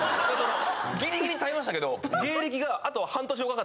ギリギリ耐えましたけど。